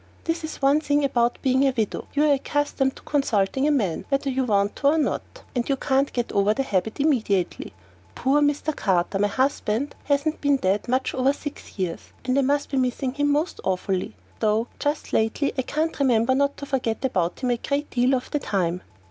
That is one thing about being a widow, you are accustomed to consulting a man, whether you want to or not, and you can't get over the habit immediately. Poor Mr. Carter, my husband, hasn't been dead much over six years, and I must be missing him most awfully, though just lately I can't remember not to forget about him a great deal of the time.